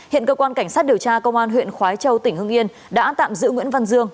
hiện cơ quan cảnh sát điều tra công an huyện khói châu tỉnh hưng yên đã tạm giữ nguyễn văn dương